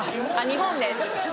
日本です